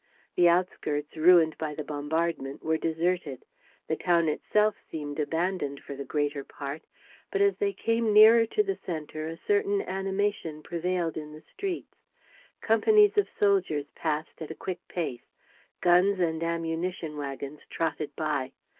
The outskirts, ruined by the bombardment, were deserted. The town itself seemed abandoned for the greater part. But as they came nearer to the center a certain animation prevailed in the streets. Companies of soldiers passed at a quick pace. Guns and ammunition wagons trotted by.